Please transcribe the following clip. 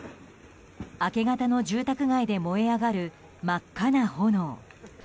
明け方の住宅街で燃え上がる真っ赤の炎。